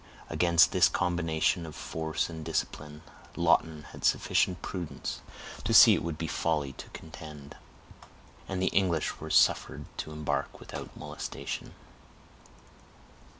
Against this combination of force and discipline, Lawton had sufficient prudence to see it would be folly to contend, and the English were suffered to embark without molestation.